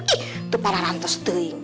ih itu para rantus tuing